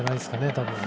多分。